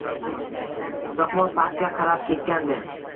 So`qmoq pastga qarab ketgandi